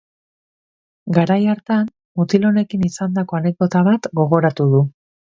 Garai hartan mutil honekin izandako anekdota bat gogoratu du.